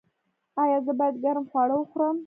ایا زه باید ګرم خواړه وخورم؟